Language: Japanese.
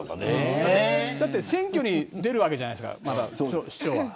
だって選挙に出るわけじゃないですか市長は。